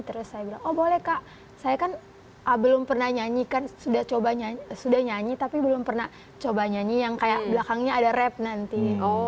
terus saya bilang oh boleh kak saya kan belum pernah nyanyikan sudah nyanyi tapi belum pernah coba nyanyi yang kayak belakangnya ada rap nanti